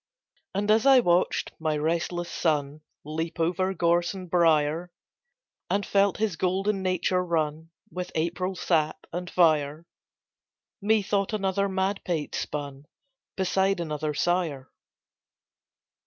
And as I watched my restless son Leap over gorse and briar, And felt his golden nature run With April sap and fire, Methought another madpate spun Beside another sire.